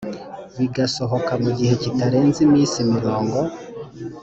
bigakosoka mu gihe kitarenze iminsi mirongo